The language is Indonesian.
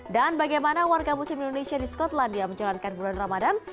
dan bagaimana warga musim indonesia di skotlandia menjalankan bulan ramadan